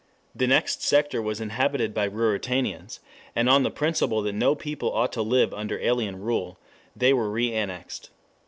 The next sector was inhabited by Ruritanians, and on the principle that no people ought to live under alien rule, they were re annexed.